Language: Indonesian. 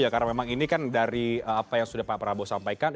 karena memang ini kan dari apa yang sudah pak prabowo sampaikan